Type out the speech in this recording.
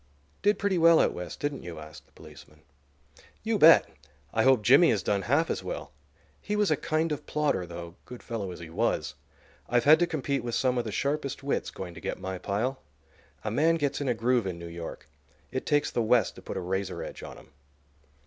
"Did pretty well out West, didn't you?" asked the policeman. "You bet! I hope Jimmy has done half as well. He was a kind of plodder, though, good fellow as he was. I've had to compete with some of the sharpest wits going to get my pile. A man gets in a groove in New York. It takes the West to put a razor edge on him."